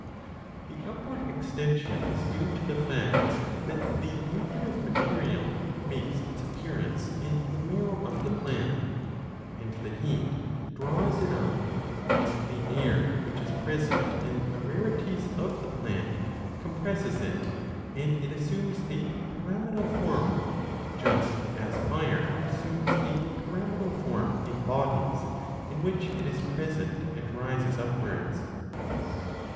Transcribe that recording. The upward extension is due to the fact that the nutritive material makes its appearance in the marrow of the plant, and the heat draws 35 it up, and the air, which is present in the rarities of the plant, compresses it, and it assumes a pyramidal form, just as fire assumes a pyramidal form in bodies in which it is present and rises upwards.